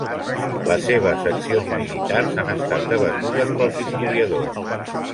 Les seves accions militars han estat debatudes pels historiadors.